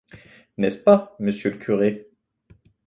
N’est-ce pas, monsieur le curé?